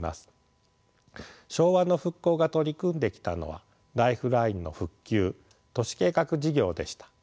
昭和の復興が取り組んできたのはライフラインの復旧都市計画事業でした。